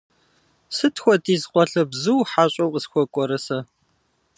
Сыт хуэдиз къуалэбзу хьэщӀэу къысхуэкӀуэрэ сэ!